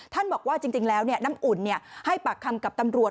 บอกว่าจริงแล้วน้ำอุ่นให้ปากคำกับตำรวจ